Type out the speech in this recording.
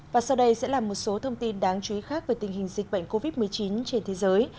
và sau đây sẽ là một số thông tin đáng chú ý khác về tình hình dịch bệnh covid một mươi chín trên thế giới